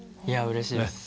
いやうれしいです。